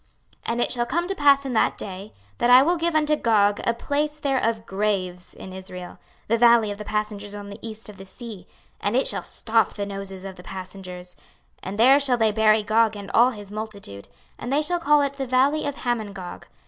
26:039:011 And it shall come to pass in that day, that I will give unto Gog a place there of graves in Israel, the valley of the passengers on the east of the sea: and it shall stop the noses of the passengers: and there shall they bury Gog and all his multitude: and they shall call it The valley of Hamongog.